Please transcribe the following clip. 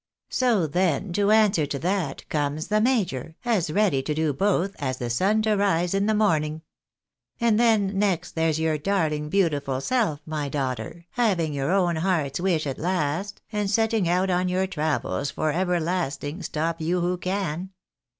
So then, to answer to that, comes the major, as ready to do both as the sun to rise in the morning. And then next, there's your darling beautiful self, my daughter, having your own heart's wish at last, and setting out on your travels for everlasting, stop you who can.